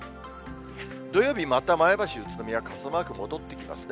土曜日、また前橋、宇都宮、傘マーク、戻ってきますね。